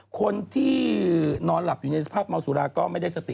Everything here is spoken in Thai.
คนที่นอนหลับอยู่ในสภาพเมาสุราก็ไม่ได้สติ